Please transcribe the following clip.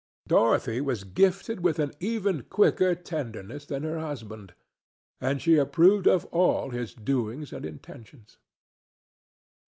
Dorothy was gifted with even a quicker tenderness than her husband, and she approved of all his doings and intentions.